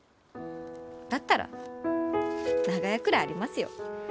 だったら長屋くらいありますよ。